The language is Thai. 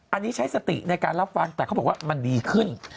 อันนี้ใช้สติในการรับฟังแต่เขาบอกว่ามันดีขึ้น